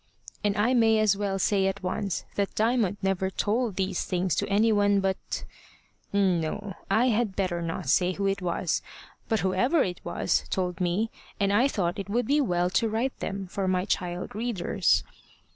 And I may as well say at once that Diamond never told these things to any one but no, I had better not say who it was; but whoever it was told me, and I thought it would be well to write them for my child readers.